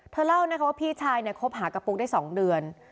เธอเล่านะคะว่าพี่ชายเนี่ยคบหากับปุ๊กได้๒เดือน